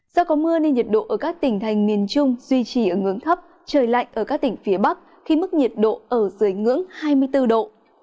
do có mưa nên nhiệt độ ở các tỉnh thành miền trung duy trì ở ngưỡng thấp trời lạnh ở các tỉnh phía bắc khi mức nhiệt độ ở dưới ngưỡng hai mươi bốn độ